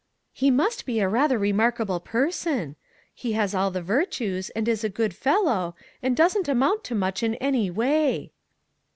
"He must be a rather remarkable person. He has all the virtues, and is a good fel low, and doesn't amount to much in any way